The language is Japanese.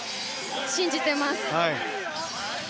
信じてます。